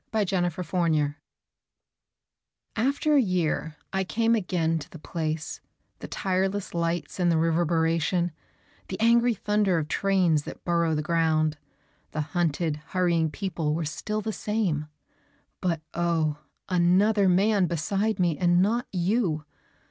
IN A SUBWAY STATION AFTER a year I came again to the place; The tireless lights and the reverberation, The angry thunder of trains that burrow the ground, The hunted, hurrying people were still the same But oh, another man beside me and not you!